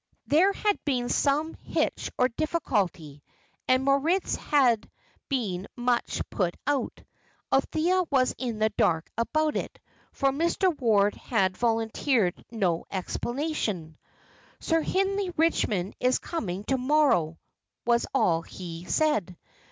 There had been some hitch or difficulty, and Moritz had been much put out. Althea was in the dark about it, for Mr. Ward had volunteered no explanation. "Sir Hindley Richmond is coming to morrow," was all he said.